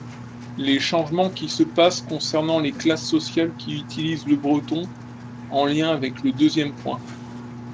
les changements qui se passent concernant les classes sociales qui utilisent le breton (en lien avec le deuxièrme point).